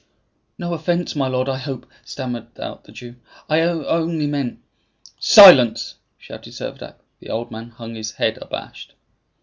"No offense, my lord, I hope," stammered out the Jew. "I only meant " "Silence!" shouted Servadac. The old man hung his head, abashed.